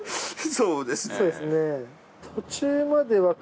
そうですね。